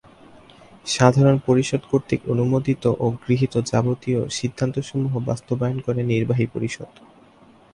সাধারণ পরিষদ কর্তৃক অনুমোদিত ও গৃহীত যাবতীয় সিদ্ধান্তসমূহ বাস্তবায়ন করে নির্বাহী পরিষদ।